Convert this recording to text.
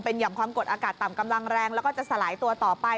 ห่อมความกดอากาศต่ำกำลังแรงแล้วก็จะสลายตัวต่อไป